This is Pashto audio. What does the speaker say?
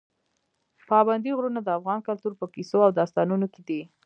پابندي غرونه د افغان کلتور په کیسو او داستانونو کې دي.